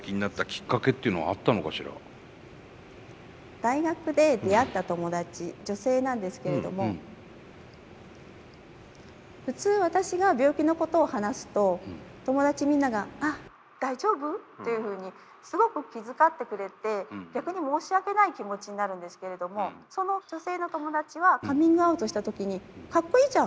大学で出会った友達女性なんですけれども普通私が病気のことを話すと友達みんなが「あっ大丈夫？」というふうにすごく気遣ってくれて逆に申し訳ない気持ちになるんですけれどもその女性の友達はカミングアウトした時に「かっこいいじゃん！